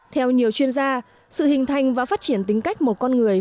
theo nhiều chuyên gia sự hình thành và phát triển tính cách một con người